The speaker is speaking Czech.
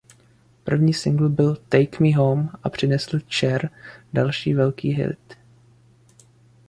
První singl byl "Take Me Home" a přinesl Cher další velký hit.